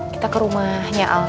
kita ke rumahnya al